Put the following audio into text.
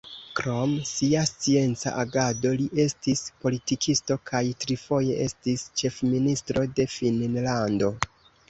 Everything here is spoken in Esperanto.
Krom sia scienca agado li estis politikisto kaj trifoje estis ĉefministro de Finnlando.